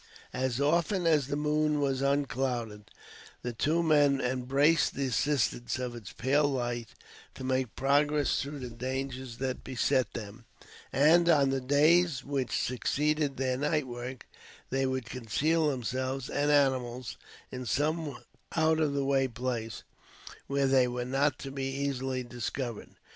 As often as the moon was unclouded, the two men embraced the assistance of its pale light to make progress through the dangers that beset them; and, on the days which succeeded this night work, they would conceal themselves and animals in some out of the way place, where they were not to be easily discovered.